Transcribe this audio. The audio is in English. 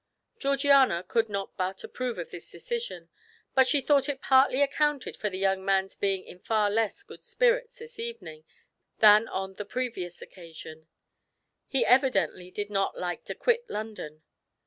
Georgiana could not but approve of this decision, but she thought it partly accounted for the young man's being in far less good spirits this evening than on the previous occasion; he evidently did not like to quit London.